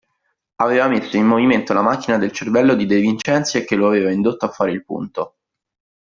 Aveva messo in movimento la macchina del cervello di De Vincenzi e che lo aveva indotto a fare il punto.